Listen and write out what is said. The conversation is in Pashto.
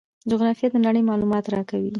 جغرافیه د نړۍ معلومات راکوي.